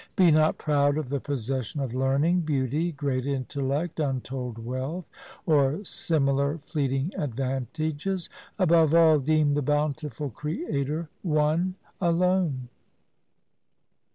Be not proud of the possession of learning, beauty, great intellect, untold wealth, or similar fleeting advantages. Above all deem the bountiful Creator One alone.